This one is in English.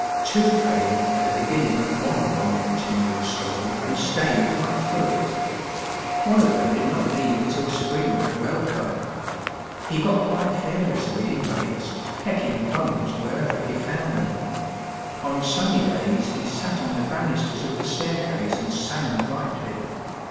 Two came at the beginning of 472 WINTRY WEATHER. (me long oontiniied stoim and stayed right ihiongh it. One ol them did not leave until spring had well come. He got quite fearless of the inmates, pecking crumbs wheieyer he found theuL On sunny days he sat on the bannisters of the staircase and sang brightly.